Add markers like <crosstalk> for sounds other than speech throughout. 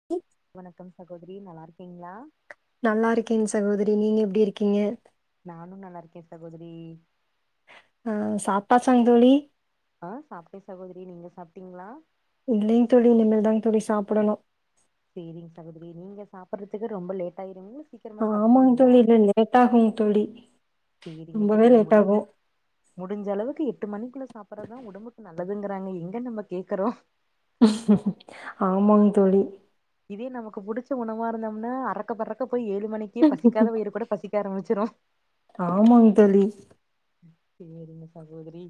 <unintelligible> வணக்கம் சகோதரி நல்லாருக்கீங்ளா நல்லாருக்கேங் சகோதரி நீங்க எப்டி இருக்கீங்க நான நல்லார்க்கே சகோதிரி ஆ சாப்ட்டாச்சாங்க தோழி ஆ சாப்ட்டே சகோதரி நீங்க சாப்ட்டீங்ளா இல்லிங் தோழி இனிமேல் தாங் தோழி சாப்பிடனு சேரிங் சகோதரி நீங்க சாப்டுறதுக்கு ரொம்ப லேட் ஆயிருங்ளா சீக் ஆமாங் தோழி இல்ல லேட்டாகுங் தோழி ரொம்பவே லேட்டாகு முடிஞ்சளவுக்கு எட்டு மணிக்குள்ள சாப்புறதா ஒடம்புக்கு நல்லதுங்றாங்க எங்க நம்ம கேக்குறோ ஆமாங் தோழி இதே நமக்கு புடிச்ச உணவா இருந்தோமுனா அறக்க பறக்க போய் ஏழு மணி க்கே பசிக்காத வயிரு கூட பசிக்க ஆரம்மிச்சிரு ஆமாங் தோழி சேரிங்க சகோதரி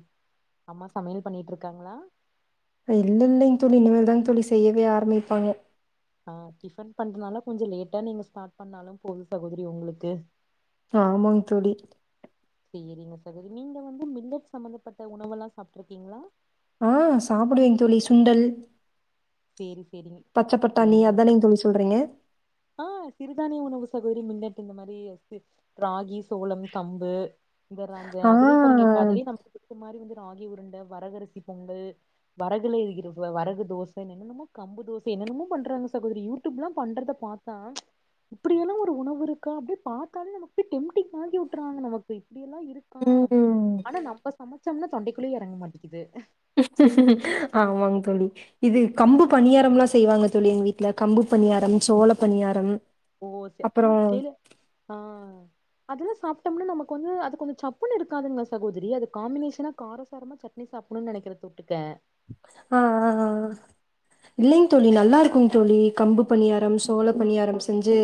அம்மா சமையல் பண்ணிட்டு இர்க்காங்ளா இல்ல இல்லிங் தோழி இனிமல் தாங் தோழி செய்யவே ஆரம்மிப்பாங்க ஆ டிஃபன் பண்றதுனால கொஞ்சொ லேட்டா நீங்க ஸ்டார்ட் பண்ணாலு போது சகோதரி ஒங்ளுக்கு ஆமாங் தோழி சேரிங்க சகோதிரி நீங்க வந்து மில்லட் சம்மந்தப்பட்ட உணவெலா சாப்ட்ருக்கீங்ளா ஆ சாப்டுவேங் தோழி சுண்டல் சேரி சேரிங்க பச்ச பட்டாணி சேரிங்க அதானேங்க தோழி சொல்றீங்க ஆ சிறுதானிய உணவு சகோதிரி மில்லட்டு இந்த மாரி அது ராகி சோளம் கம்பு இதர அந்த ஆ அதுலே பாருங்க இப்ப அதிலே நம் புடிச்ச மாரி வந்து ராகி உருண்ட வரகரிசி பொங்கல் வரகுல வைக்கிறது வரகு தோச ச என்னென்னமோ கம்பு தோச என்னென்னமோ பண்றாங்க சகோதரி யூடியூப்ல்லா பண்றத பாத்தா இப்படியெல்லா ஒரு உணவு இருக்கா அப்டியே பாத்தாலே நமக் போய் டெம்டிங் வாங்கி விட்டுறாங்க நமக்கு இப்ப இப்படியெல்லா இருக்கா ம் ஆனா நம்ம சமைச்சோம்னா தொண்டைக்குள்ளேயே இறங்க மாட்டிக்குது ஆமாங் தோழி இது கம்பு பனியாரோல்லா செய்வாங்க தோழி எங் வீட்டுல கம்பு பணியாரம் சோள பனியாரம் ஓ சரி ஆனா டெய்லர் ஆ அதெல்லா சாப்ட்டோம்னா நமக்கு வந்து அது கொஞ்சோ சப்புன்னு இருக்காதுங்களா சகோதரி அது காம்பினேஷனா காரசாரமா ச சாப்பிடணுனு நினைக்குரே தொட்டுக்க ஆ ஆ ஆ இல்லைங்க தோழி நல்லா இருக்குங்க தோழி கம்பு பணியாரம், சோள பணியாரம் செஞ்சு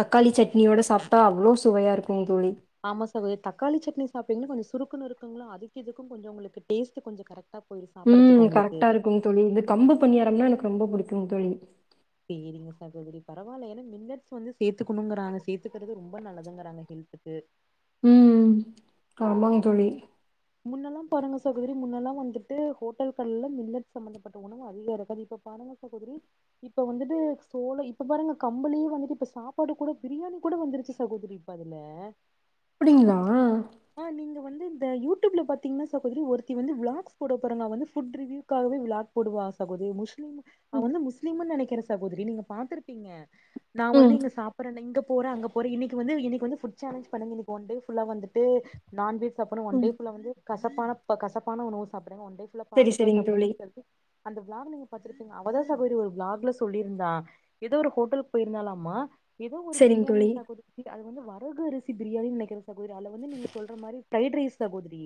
தக்காளி சட்னியோட சாப்ட்டா அவ்ளோ சுவையா இருக்கு தோழி ஆமா சாகோதரி தக்காளி சட்னி சாப்ட்டிங்ன்னா கோஞ்சோ சுருக்குன்னு இருக்குங்களா அதுக்கிதுக்கு கொஞ்சோ உங்களுக்கு டேஸ்ட் கொஞ்சோ கரெக்ட் ம் கரெக்டா இருக்கும் தோழி இது கம்பு பண்ணியாரோம்னா எனக்கு ரொம்ப பிடிக்கு தோழி சேரிங்க சகோதரி பரவாயில்ல ஏன்னா மில்லட்ஸ் வந்து சேத்துக்கணுங்கறாங்க சேத்துக்கறது ரொம்ப நல்லதுங்கராங்க ஹெல்த்துக்கு ம் ஆமாங் தோழி முன்னெல்லா பாருங்க சகோதரி முன்னெல்லா வந்துட்டு ஹோட்டல்கள்ல மில்லட் சம்பமந்தப்பட்ட உணவு அதிக இருக்காது இப்ப பாருங்க என்ன சகோதரி இப்போ வந்துட்டு சோளோ இப்போ பாருங்க கம்புளையே வந்துட்டு இப்போ சாப்பாடு கூட பிரியாணி கூட வந்துருச்சு சகோதரி பதில அப்டிங்ளா ஆ நீங்க வந்து இந்த யூடியூப்ல பாத்தீங்ன்னா சகோதரி ஒருத்தி வந்து வ்ளாக்ஸ் போட போறாங்கா வந்து ஃபுட் ரிவியூக்காகவே விளாக் போடுவா சகோதரி முஸ்லிம் அவ ம் வந்து முஸ்லீம்னு நெனைக்கிற சகோதரி நீங்க பாத்துருப்பீங்க நா வந்து ம் இங்க சாப் போறே இங்க போறே அங்க போறே இன்னைக்கு வந்து இன்னைக்கு வந்து ஃபுட் சேலஞ்ச் பண்ணுங்க இன்னக்கி ஒன் டே ஃபுல்லா வந்துட்டு நான்வெஜ் சாப்புறே ம் ஒண்டே ஃபுல்லா வந்து கசப்பானப்ப கசப்பான உணவ சாப்டுங்க ஒன்டே சரி பாகக்கா சரிங்க தோழி. சாப்புடுங்கன்னு சொல்லி அந்த வ்ளாக் நீங்க பாத்துருப்பீங்க அவதா சகோதரி ஒரு விளாக்ல சொல்லியிருந்தா ஏதோ ஒரு ஹோட்டலுக்கு போயிருந்தாலாமா ஏதோ ஒரு சரிங்க பிரியாணி தோழி. சகோதரி அது வந்து வரகரிசி பிரியாணின்னு நெனைக்ற சகோதரி அளவு வந்து நீங்க சொல்ற மாரி பிரரைட் ரைஸ் சகோதிரே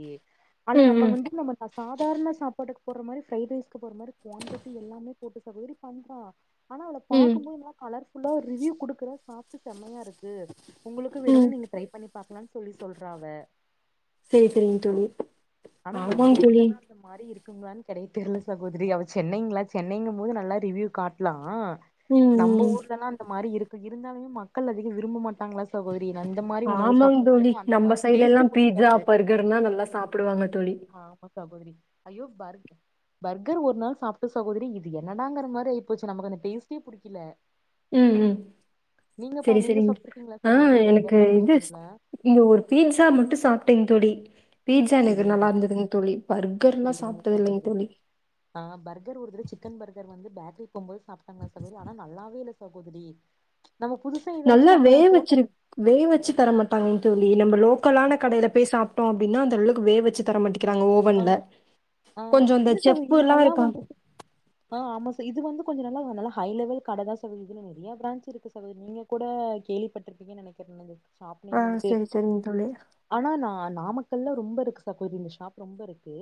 ஆனா ம் நம்ம ம் வந்துட்டு நம்ம கா சாதாரண சாப்பாட்டுக்கு போட்ற மாரி ஃப்ரைட் ரைஸ்கு போட்ற மாரி குவாண்டிட்டி எல்லாமே போட்டு சகோதரி பண்றா ஆனா அதுல ம் பாக்கும்போது நல்ல கலர்ஃபுல்லா ரிவ்யு கொடுக்குற சாப்டு செம்மயா இருக் கு உங்களுக்கு வேணுனா ம் நீங்க ட்ரை பண்ணி பாக்கலாம்னு சொல்லி சொல்றாவ சேரி சேரிங்க தோழி ஆனா நம்ம ஆமாங்க தோழி. ஊர்லல்லா இந்த மாரி இருக்குங்களான்னு கிடையா தெரில சகோதரி அவ சென்னைங்களா சென்னைங்கு போது நல்லா ரிவியூலா காட்னா ம் நம்ம ம் ஊர்லல்லா அந்த மாரி இருக்கு இருந்தாலுமே மக்கள் அதிகோ விரும்ப மாட்டாங்களா சகோதரி அந்த மாரி உணவு ஆமாங்க தோழி சாப்பிறவங்களுக்கு அந்த நம்ம மாரி சைட்ல எல்லா டேஸ்ட் பீட்சா புடிக்காது <unintelligible> நல்லா சாப்பிடுவாங்க தோழி ஆமா சகோதரி ஐயோ பார்க் பர்கர் ஒரு நாள் சாப்பிட்டே சகோதரி இது என்னடாங்கிற மாரி ஆயி போச்சு நமக்கு அந்தடேஸ்டே புடிக்கல ம் ம் நீங்க பா சேரி நீங்க சேரிங்க சாப்ட்ருக்கீங்களா ஆ சகோதரி எனக்கு பர்கர்ல்லா இது புடிக்குங்களா இங்க ஒரு பீட்சா மட்டு சாப்பிட்டேங் தோழி பீ்ட்சா நிகர் சேரிங்க நல்லா இருந்ததுங்க தோழி பர்கர் எல்லா சேரிங்க சாப்பிட்டது இல்லைங்க சகோதரி தோழி ஆ பர்கர் ஒரு தடவ சிக்கன் பர்கர் வந்து பேட்டரி போம்போது சாப்பிட்டாங்கள சகோதரி ஆனா நல்லாவேல்ல சகோதரி நம்ம புதுசா நல்லா ஏதாச்சு நம்ம வேக ஹோட்டல் வச்சிரு வேக வச்சு தரட்டமாட்டாங்க தோழி நம்ம லோக்கலான கடையில போய் சாப்ட்டோ அப்டினா அந்தளவுக்கு வேக வச்சு தர மாட்டாங் க்றாங்க ஆ ஓவன்ல ஆ கொஞ்சோ இந்த இல்ல சகோதரி செப்பு இது எல்லா நல்லா இருக்காங் வந்துட்டு ஆ ஆமா சா இது வந்து கொஞ்சோ நல்லாவு நல்ல ஹை லெவல் கடைதா சகோதரி இதுல நெறைய பிரஞ் இருக்கு சகோதரி நீங்க கூட கேள்விப்பட்டிருப்பீங்கன்னு நினைக்கிறே நீங்க ஷாப் ஆ நேம் வந்துட்டு செரி செரிங்க தோழி ஆனா ந நாமக்கல்ல ரொம்ப இருக்கு சகோதரி இந்த ஷாப் ரொம்ப இருக்கு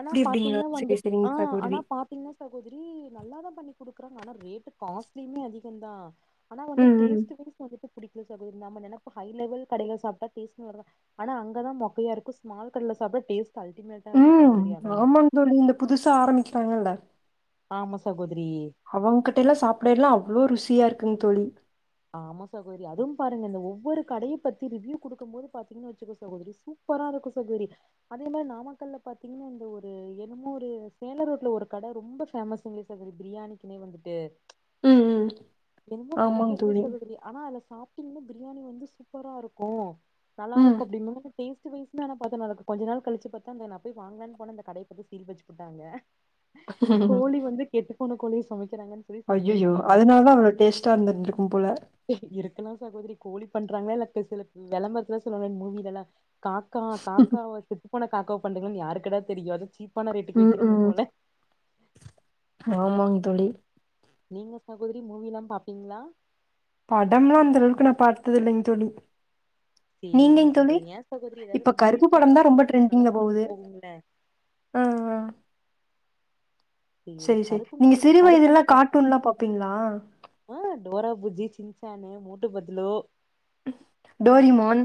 ஆனா அப்டிங்களா பாத்தீங்கன்னா செரி வந்துட் செரிங்க ஆ ஆனா சகோதரி பாத் தீங்கன்னா சகோதரி நல்லாதா பண்ணி குடுக்குறாங்க ஆனா ரேட்டு காஸ்ட்லியுமே அதிக தா ஆனா வந்து ம் ம் டேஸ்ட் வாய்ஸ் வந்துட்டு புடிகல சகோதரி நம்ம நினைப்போ ஹை லெவல் கடையில சாப்பிட்டா டேஸ்ட் <unintelligible> ஆனா அங்கதா மொக்கையா இருக்கு ஸ்மால் கடைல சாப்பிட டேஸ்ட் அல்டிமேட் ம் ஆமாங் தோழி இந்த புதுசா ஆரம்பிக்கிறாங்கல்ல ஆமா சகோதிரி அவங்கிட்ட எல்லா சாப்பிடல எல்லா அவ்ளோ ருசியா இருக்குங்க தோழி ஆமா சகோதரி அதுவு பாருங்க இந்த ஒவ்வொரு கடைய பத்தி ரிவியூ குடுக்கும்போது பாத்தீங்கன்னா வச்சுக்கோ சகோரி சூப் பரா இருக்கு சகோதரி அதே மாரி நாமக்கல்ல பாத்தீங்கன்னா இந்த ஒரு என்னமோ ஒரு சேல ரோட்ல ஒரு கடை ரொம்ப பேமஸ்ங்க அது பிரியாணிக்குனே வந்துட்டு ம் ம் என்னமோ ஆமாங் கடைப்பேரு தா தோழி சொல்ல தெரியல ஆனா அதுல சாப்பிட்டீங்கன்னா பிரியாணி வந்து சூப்பரா இருக்கு நல்லா ம் இருக்கு அப்டின்னா டேஸ்ட் வைஸ் <unintelligible> பாத்தா நா அத கொஞ்சோ நாள் கழிச்சி பாத்தா அந்த நா போய் வாங்கலான்னு போன அந்த கட பாத்தா சீல் வச்சுப்புட்டாங்க கோழி வந்து கெட்டு போன கோழிய சுமைக்கிறாங்கன் அய்யய்யோ அதனாலதா அவ்ளோ டேஸ்டா இருந்திருக்கு போல ஏ இருக்கலா சகோதரி கோழி பண்றாங்களா இல்ல சில விளம்பரலா சொல்லுவா மூவியில எல்லா காக்கா காக்காவ செத்துப்போன காக்காவ பண்டுங்கன்னு யாருக்கடா தெரியு அதாவது சீப்பான ரேட்டுக்கு ம் வைக்கிறீங்க ம் போல ஆமாங் தோழி நீங்க சகோதரி மூவில்லா பாப்பீங்ளா படம்லா அந்தளவுக்கு நா பாத்தது இல்லைங்க தோழி சேரிங்க நீங்கங் தோழி சகோதரி ஏ சகோதரி இப்ப ஏதாவ்து கருப்பு மூவிஸ்லா படம்தா ரொம்ப பாத்தா உங்களுக்கு நல்லா பொழுது போவும்ல அ அ சே சேரி சே கருப்பு நீங்க மூவில சிறு கருப்பன் வயதுல்லா பா கார்ட்டூன்லா பாப்பீங்ளா ஆ டோரா புஜ்ஜி சின்சானு மோட்டு பட்லு டோரிமான்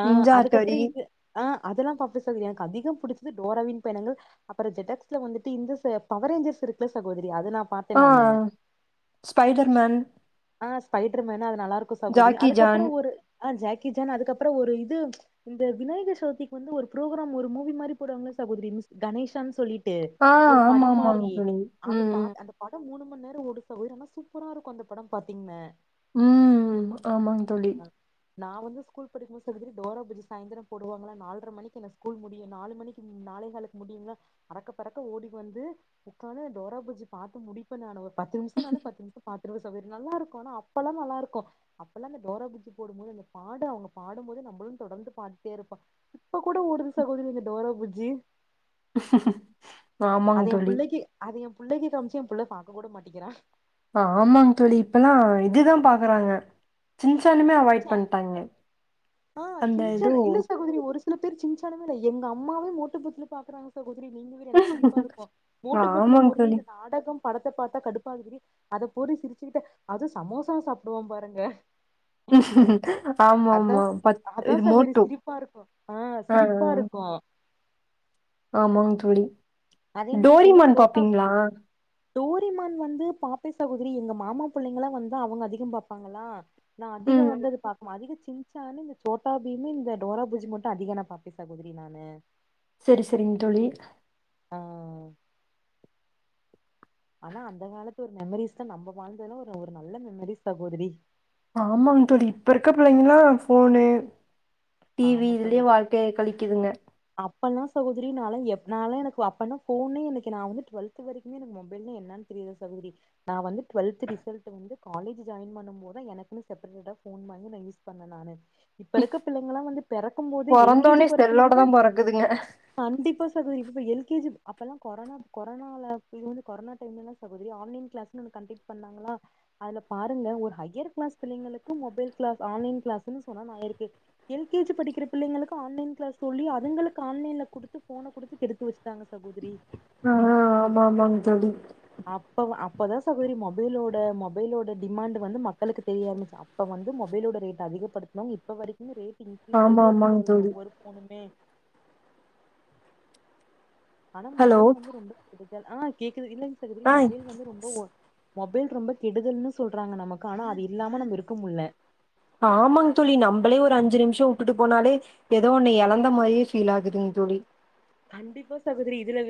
ஆ நிஞ்சா அதுக்கப்றொ ஹட்டோரி இது ஆ அதெல்லா பாப்ப தோழி எனக்கு அதிகம் புடிச்சது டோராவின் பயணங்கள் அப்பறொ ஜெடாக்ஸ்ல வந்துட்டு இந்த ச பவர் ரேஞ்சர்ஸ் இருக்குல்ல சகோதரி அத நா பாத் ஆ ஸ்பைடர் மேன் ஆ ஸ்பைட்ரு மேனு அது நல்லா இருக்கு சகோதரி ஜாக்கி அதுக்கப்பறொ ஜான் ஒரு ஆ ஜாக்கி ஜான் அதுக்கப்றொ ஒரு இது இந்த விநாயக சதுர்த்திக்கு வந்து ஒரு ப்ரோக்ராம் ஒரு மூவி மாரி போடுவாங்கல சகோதரி மிஸ் கணேஷான் சொல்லி ட்டு ஆ ஒரு ஆமா படம் ஆமாங்க மாரி தோழி அது ம் பாத் அந்த படம் மூணு மண் நேரொ ஓடு தோழி ஆனா சூப்பரா இருக்கு அந்த படம் பாத்தீங்ன ம் ஆமாங் தோழி நா வந்து ஸ்கூல் படிக்கும் போது சகோதரி டோரா புஜ்ஜி சாய்ந்தரொ போடுவாங்களா நால்ர மணிக்கு என்ன ஸ்கூல் முடியு நாலு மணிக்கி நாலே காலுக் முடியங்ளா அறக்க பறக்க ஓடி வந்து உக்காந்து அந்த டோரா பூஜ்ஜி பாத்து முடிப்ப நானு பத்து நிம்ஷொனாலு பத்து நிம்ஷொ பாத்ருவ சகோதரி நல்லா இருக்கு ஆனா அப்பல்லா நல்லாருக்கு அப்பல்லா இந்த டோரா புஜ்ஜி போடும்போது அந்த பாடு அவ்ங்க பாடம்போதே நம்பளு தொடர்ந்து பாடிட்டே இருப்போ இப்போக் கூட ஓடுது சகோதரி இந்த டோரா புஜ்ஜி ஆமாங்க அது ஏம் தோழி புள்ளைக்கி அது ஏம் புள்ளைக்கி காமிச்சி ஏம் புள்ள பாக்கக் கூட மாட்டிக்கிறா அ ஆமாங் தோழி இப்பல்லா இதுதா பாக்குறாங்க சின்சானுமே அவாய்ட் சான் பண்ணிட்டாங்க ஆ அந்த இது சிங்சான் இல்ல சகோதரி ஒரு சில பேர் சின்சான் இல்ல எங்க அம்மாவே மோட்டு பத்லு பாக்குறாங்க சகோதரி நீங்க வே எனக்கு சிரிப்பா இருக்கு ஆ, மட்டு பட்லு ஆமாங்க போர்றீ தோழி இந்த நாடகம் படத்த பாத்தா கடுப்பாகுதுடி அத போர்றீ சிரிச்சிக்கிட்டு அது சமோசா சாப்டுவா பாருங்க ஆமா அதா ஆமா பத் அதா இது சகோதரி மோட்டு சிரிப்பா இருக்கு ஆ அ அ சிரிப்பா இருக்கு ஆமாங் தோழி அதே மாரி சொல்லி டோரிமான் தோட்டா பாப்பீங்ளா டோரிமான் வந்து பாப்பே சகோதரி எங்க மாமா புள்ளைங்களா வந்தா அவங்க அதிகம் பாப்பாங்களா நா அதிகொ ம் வந்து அத பாக் மா அதிக சின் சானு இந்த சோட்டா பீமு இந்த டோரா புஜ்ஜி மட்டு அதிக நா பாப்பே சகோதரி நானு செரி செரிங் தோழி ஆ ஆனா அந்த காலத்துல ஒரு மெமரீஸ்னா நம்ம வாழ்ந்தல்லா ஒரு ஒரு நல்ல மெமரீஸ் சகோதரி ஆமாங் தோழி இப்ப இருக்க புள்ளைங்ளா ஃபோனு டீவி ஆமா இதுலயே சகோதரி வாழ்க்கைய கழிக்கிதுங்க அப்பல்லா சகோதரி நாலா எப் நாலா எனக்கு அப்பனா ஃபோனே எனக்கு நா வந்து ட்வல் த்து வரைக்குமே எனக்கு மொபைல்னா என்னான் தெரியாது சகோதரி நா வந்து ட்வல்த்து ரிசல்ட் வந்து காலேஜு ஜாயின் பண்ணம் போதா எனக்குனு செப்பரேட்டா ஃபோன் வாங்கி நா யூஸ் பண்ண நானு இப்ப இருக்க பிள்ளைங்களா வந்து பெறக்கம் போதே எல் கே ஜி பிறந்தோடனே போற செல்லோட புள்ளைங்ளே தான் பிறக்குதுங்க கண்டிப்பா சகோதரி இப்ப எ ல்கே ஜி அப்பல்லா கொரோனா கொரோனால வந்து கொரோனா டைம்லல்லா சசகோதரி ஆன்லைன் க்ளாஸ்ன்னு ஒண்ணு கண்டெக்ட் பண்ணாங்களா அதுல பாருங்க ஒரு ஹையர் க்ளாஸ் பிள்ளைங்களுக்கு மொபைல் க்ளாஸ் ஆன்லைன் கிளாஸுனு சொன்னா <unintelligible> இருக்கு எல் கே ஜி படிக்கிற பிள்ளைங்களுக்கு ஆன்லைன் க்ளாஸ் தோழி அதுங்களுக்கு ஆன்லைன்ல குடுத்து ஃபோன குடுத்து கெடுத்து வெச் ட்டாங்க சகோதரி ஆ ஆமாமாங் தோழி அப்ப அப்பதா சகோதரி மொபைலோட மொபைலோட டிமாண்ட்டு வந்து மக்களுக்கு தெரிய ஆரம்ச்ச அப்ப வந்து மொபைலோட ரேட் அதிகப்படுத்னுவங் இப்ப வரை க்குமே ரேட் இன்க்ரீஸ் ஆமா ஆயிட்டே இருக்கு ஆமாங்க சகோதரி தோழி ஒவ்வொரு ஃபோனுமே ஆனா ஹலோ மொபைல் வந்து ரொம்ப கெடுதல் ஆ கேக்குது இல்லங் சகோதரி ஆ மொபைல் வந்து ரொம் ஓ மொபைல் ரொம்ப கெடுதல்ன்னு சொல்றாங்க நமக்கு ஆனா அது இல்லாம நம்ம இருக்க முல்ல ஆமாங் தோழி நம்பளே ஒரு அஞ்சு நிம்ஷோ உட்டுட்டு போனாலே எதோ ஒண்ண எழந்த மாரியே ஃபீல் ஆகுதுங் தோழி கண்டிப்பா சகோதரி இதுல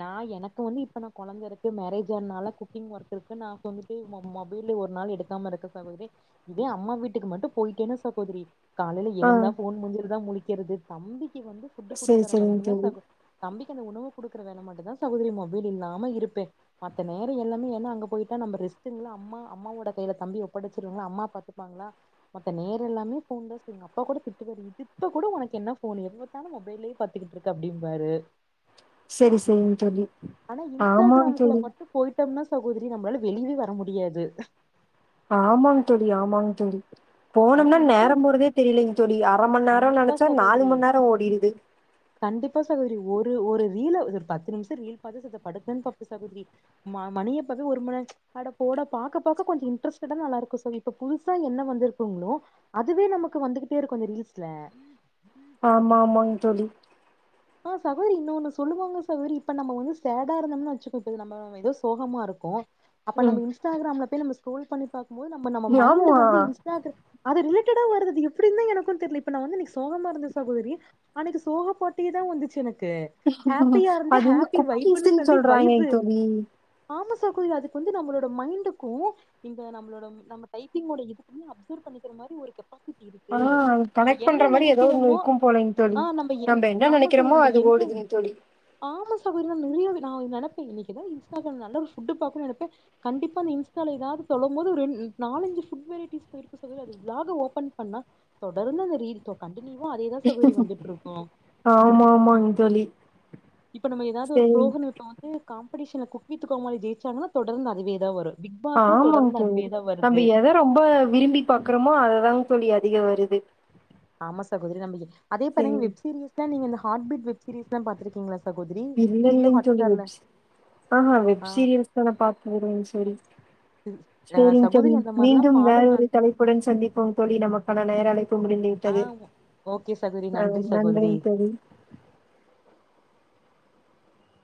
நா எனக்கு வந்து இப்ப நா கொழந்த இருக்கு மேரேஜ் ஆனால குக்கிங் ஒர்க் இருக்கு நா <unintelligible> <unintelligible> மொபைல்லு ஒரு நாள் எடுக்காம இருக்க சகோதரி இதே அம்மா வீட்டுக்கு மட்டு போயிட்டேனா சகோதரி காலைல ஆ எழுந்தா ஃபோன் முஞ்சிலதா முழிக்கிறது தம்பிக்கு வந்து ஃபுட்டு செரி குடுக்குற செரிங்க வரைக்குந்தா தோழி சகோ தம்பிக்கு அந்த உணவு குடுக்குற வேள மட்டுதா சகோதரி மொபைல் இல்லாம இருப்பே மத்த நேர எல்லாமே ஏனா அங்க போயிட்டா நம்ம ரெஸ்டுங்ளா அம்மா அம்மவோட கையில தம்பி ஒப்படச்சிருவங்ளா அம்மா பாத்துப்பாங்ளா மத்தநேர எல்லாமே ஃபோன் தா ஸ்பென் எங்கப்பா கூட திட்டுவாரு இ திப்ப கூட உனக்கு என்ன ஃபோனு எப்ப பாத்தாலு மொபைலயே பாத்துகிட்ருக் க அப்டிம்பாரு செரி செரிங் தோழி ஆனா ஆமாங்க இன்ஸ்டாகிராம்க்குள்ள தோழி மட்டு போயிட்டம்னா சகோதரி நம்ளால வெளியவே வர முடியாது ஆமாங் தோழி ஆமாங் தோழி ஆனா போனம்னா இன்ஸ்டா நேரம் போறதே தெரியலிங் தோழி அர மண் நேரோ கண்டிப்பா நெனச்சா நாலு சகோதரி மண் நேரோ ஓடிடுது கண்டிப்பா சகோதரி ஒரு ஒரு ரீல ஒரு பத்து நிம்ஷோ ரீல் பாத்து செத்த படுக்கலான் பாப்பே சகோதரி ம மணிய பாத்தா ஒரு மண் நே அட போட பாக்க பாக்க கொஞ்ச இன்ட்ரெஸ்டடா நல்லாருக்கு சோ இப்ப புதுசா என்ன வந்திருக்குங்ளோ அதுவே நமக்கு வந்துகிட்டே இருக்கு அந்த ரீல்ஸ்ல ஆமாமாங் தோழி ஆ சகோதரி இன்னொன்னு சொல்லுவாங்க சகோதரி இப்ப நம்ம வந்து சேடா இருந்தம்னு வெச்சுக்கோ இப்போ நம்ம எதோ சோகமா இருக்கோ அப்ப ம் நம்ம இன்ஸ்டாகிராம்ல போய் நம்ம ஸ்க்ரோல் பண்ணி பாக்குபோது நம்ம நம்ம மைண்டு ஆமா வந்து இன்ஸ் பாக்கற அது ரிலேடேடா வருது அது எப்டிந்தா எனக்கு தெரில இப்ப நா வந்து இன்னைக்கு சோகமா இருந்தே சகோதரி அன்னைக்கு சோகா பாட்டே தா வந்துச்சு எனக்கு ஹேப்பியா இருந்தே அது வந்து ஹேப்பி வைஃப்புனு குக்கீஸ்ன்னு சொல்லி சொல்றாங்கங்க வைஃப்பு தோழி ஆமா சகோதரி அதுக்கு வந்து நம்மளோட மைண்டுக்கு இந்த நம்மளோட நம்ம டைப்பிங்டோ இதுக்குமே அப்சர்வ் பண்ணிக்கிற மாரி ஒரு கெப்பா சிட்டி ஆ இருக்கு நம்ம கனெக்ட் பண்ற என்ன மாரி ஏதோ ஒண்ணு நெனைக்கிறமோ இருக்கும் போலைங்க தோழி ஆ நம்ம என் நம்ப என்ன ஆமா சகோதரி நெனைக்கிறோமோ நம்ம அது என்ன ஓடுதுங்க தோழி ஆமா சகோதரி <unintelligible> நா நெனப்பே இன்னைக்குதா இன்ஸ்டாகிராம்ல நல்ல ஒரு ஃபுட்டு பாக்கனு நெனைப்பே கண்டிப்பா அந்த இன்ஸ்டால எதாது சொல்லும் போது ஒருன் நாலஞ்சு ஃபுட்டு வெரைட்டிஸ் போயிருக்கு சகோதரி அது வ்லாகு ஓப்பன் பண்ணா தொடர்ந்து அந்த ரீல் கண்டினியூவா அதேதா சகோதரி வந்துட்ருக்கு ஆமாமாங் தோழி இப்போ நம்ம எதாவ்து ஒரு சரி ப்ரோக்ரம்ல பாத்து காம்படிஷன்ல குக் வித் கோமாளி ஜெய்சாங்கன்னா தொடர்ந்து அதுவே தா வரு பிக்பாஸ்னா ஆமாங்க தொடர்ந்து தோழி அதுவேதா நம்ம வருது எத ரொம்ப விரும்பி பாக்குறமோ அதுதாங் தோழி அதிக வருது ஆமா சகோதரி நம்ப எ அதே பாருங்க சரி வெப் சீரீஸ்தா நீ இந்த ஹார்ட் பீட் வெப்சீரீஸ்லா பாத்துருக்கீங்ளா சகோதரி ஜியோ ஹாட்ஸ்டார்ல ஆ ஆ வெப்சீரியல்ஸ்லா நா பாத்தது கெடயாது சகோதரி சேரிங்க சகோதரி தோழி அந்த மாரிலா மீண்டும் பாடுங்க வேறொரு தலைப் உடன் சந்திப்போம் தோழி நமக்கான நேரழைப்பு முடிந்து ஆ விட்டது ஓகே சகோதரி ஆ நன்றி சகோதரி நன்றிங்க தோழி